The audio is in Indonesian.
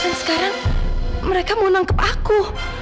sekarang mereka mau nangkep aku